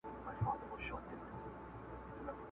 څوک له ښاره څوک راغلي وه له کلي،